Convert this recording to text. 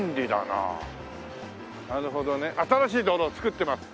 なるほどね「新しい道路をつくっています」。